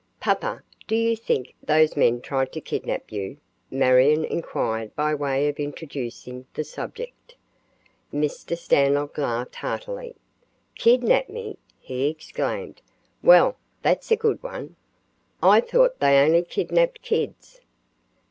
"Papa, do you think those men tried to kidnap you?" Marion inquired by way of introducing the subject. Mr. Stanlock laughed heartily. "Kidnap me!" he exclaimed. "Well, that's a good one. I thought they only kidnapped kids."